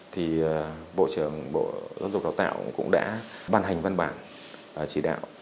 thì bộ trưởng bộ giáo dục đào tạo cũng đã văn hành văn bản và chỉ đạo